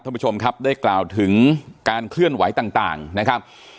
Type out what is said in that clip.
ท่านผู้ชมครับได้กล่าวถึงการเคลื่อนไหวต่างนะครับ